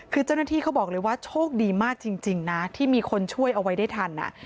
คือเจ้าหน้าที่เขาบอกเลยว่าโชคดีมากจริงนะที่มีคนช่วยเอาไว้ได้ทัน